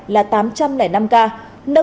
là tám trăm linh năm ca